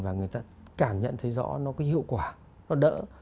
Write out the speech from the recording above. và người ta cảm nhận thấy rõ nó cái hiệu quả nó đỡ